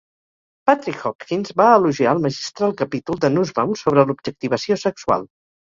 Patrick Hopkins va elogiar el "magistral" capítol de Nussbaum sobre l'objectivació sexual.